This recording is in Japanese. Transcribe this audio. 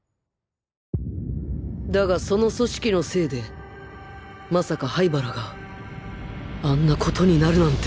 だがその組織のせいでまさか灰原があんな事になるなんて